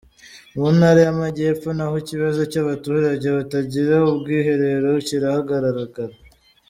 Mu Ntara y’Amajyepfo naho ikibazo cy’abaturage batagira ubwiherero kirahagaragara.